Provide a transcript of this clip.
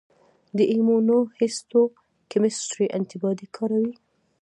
د ایمونوهیسټوکیمسټري انټي باډي کاروي.